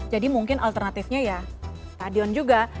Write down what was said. jadi mungkin alternatifnya ya stadion juga